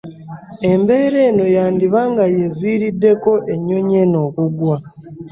Embeera eno yandiba nga y'eviiriddeko ennyonyi eno okugwa.